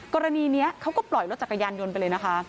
กรณีนี้เขาก็ปล่อยรถจักรยานยนต์ไปเลยนะคะ